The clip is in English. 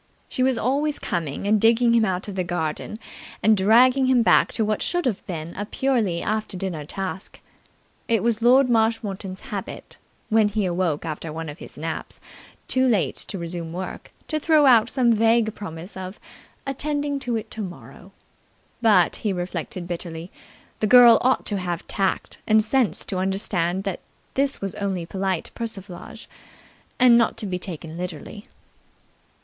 She was always coming and digging him out of the garden and dragging him back to what should have been a purely after dinner task. It was Lord Marshmoreton's habit, when he awoke after one of his naps too late to resume work, to throw out some vague promise of "attending to it tomorrow"; but, he reflected bitterly, the girl ought to have tact and sense to understand that this was only polite persiflage, and not to be taken literally.